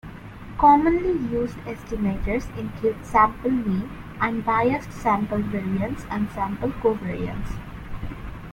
Commonly used estimators include sample mean, unbiased sample variance and sample covariance.